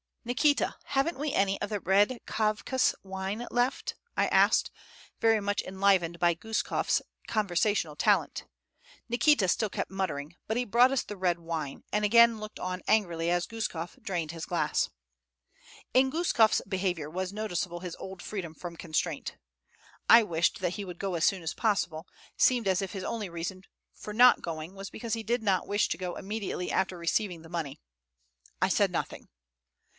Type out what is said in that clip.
Nikita, haven't we any of that red Kavkas wine [Footnote: Chikir] left?" I asked, very much enlivened by Guskof's conversational talent. Nikita still kept muttering; but he brought us the red wine, and again looked on angrily as Guskof drained his glass. In Guskof's behavior was noticeable his old freedom from constraint. I wished that he would go as soon as possible; it seemed as if his only reason for not going was because he did not wish to go immediately after receiving the money. I said nothing.